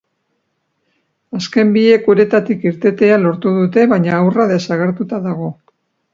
Azken biek uretatik irtetea lortu dute, baina haurra desagertuta dago.